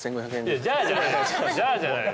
じゃあじゃない。